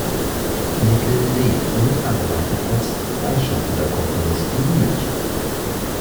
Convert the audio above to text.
Nickel lebt und arbeitet als freischaffender Komponist in München.